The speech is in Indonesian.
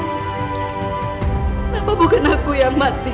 kenapa bukan aku yang mati